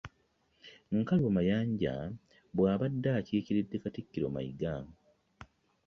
Nkalubo Mayanja bw'abadde akiikiridde Katikkiro Mayiga